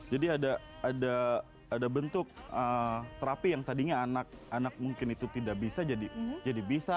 ada bentuk terapi yang tadinya anak anak mungkin itu tidak bisa jadi bisa